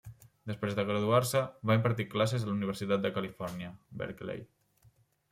Després de graduar-se, va impartir classes a la Universitat de Califòrnia, Berkeley.